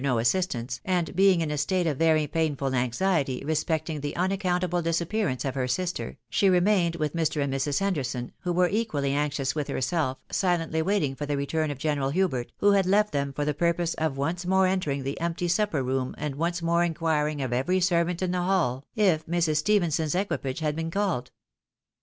no assistance, and being in a state of very painful anxiety respecting " the unaccountable dis appearance of her sister, she remained with Mr. and Mrs. Henderson, who were equally anxious with herself, silently waiting for the return of General Hubert, who had left them for the purpose of once more entering the empty supper room and once more inquiring of every servant in the hail if Mrs. Stephenson's equipage had been called.